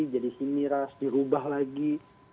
jadi diubah lagi